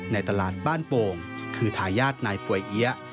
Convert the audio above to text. ในตลาดบ้านโป่งคือทายาทนายป่วยเอี๊ยะ